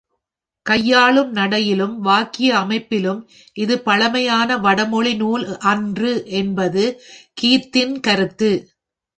கையாளும் நடையிலும் வாக்கிய அமைப்பிலும் இது பழமையான வடமொழி நூல் அன்று என்பது கீத்தின் கருத்து.